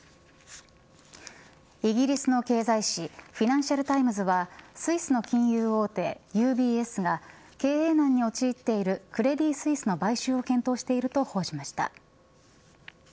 イギリスの経済紙フィナンシャル・タイムズはスイスの金融大手ＵＢＳが経営難に陥っているクレディ・スイスの買収を検討していると報じました。